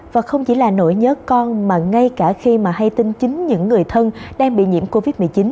và không chỉ là nỗi nhớ con mà ngay cả khi mà hay tin chính những người thân đang bị nhiễm covid một mươi chín